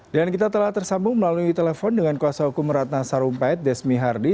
dan kita telah tersambung melalui telepon dengan kuasa hukum ratna sarumpait desmi hardy